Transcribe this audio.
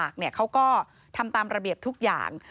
เขาก็ทำตามระเบียบทุกอย่าง